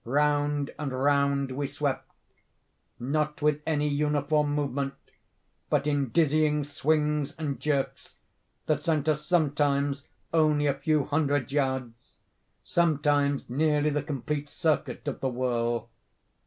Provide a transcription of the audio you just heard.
Round and round we swept—not with any uniform movement—but in dizzying swings and jerks, that sent us sometimes only a few hundred yards—sometimes nearly the complete circuit of the whirl.